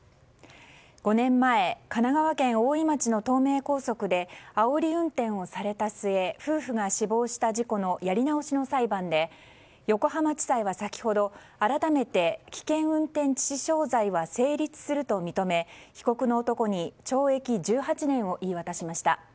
５年前、神奈川県大井町の東名高速であおり運転をされた末夫婦が死亡した事故のやり直しの裁判で横浜地裁は先ほど、改めて危険運転致死傷罪は成立すると認め被告の男に懲役１８年を言い渡しました。